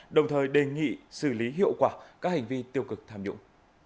đồng thời đề nghị xử lý hiệu quả các hành vi tiêu cực tham nhũng